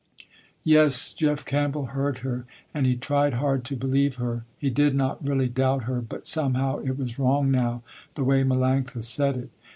Yes Jeff Campbell heard her, and he tried hard to believe her. He did not really doubt her but somehow it was wrong now, the way Melanctha said it.